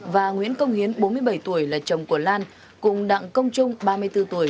và nguyễn công hiến bốn mươi bảy tuổi là chồng của lan cùng đặng công trung ba mươi bốn tuổi